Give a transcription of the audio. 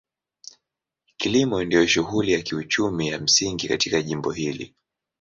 Kilimo ndio shughuli ya kiuchumi ya msingi katika jimbo hili.